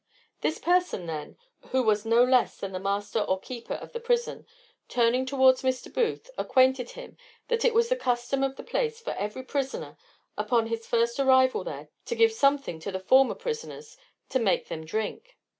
This person then, who was no less than the master or keeper of the prison, turning towards Mr. Booth, acquainted him that it was the custom of the place for every prisoner upon his first arrival there to give something to the former prisoners to make them drink.